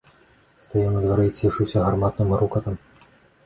Стаяў на дварэ і цешыўся гарматным грукатам.